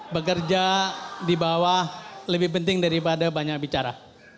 bekerja di bawah lebih penting daripada banyak bicara